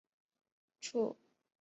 处长表示被逼紧了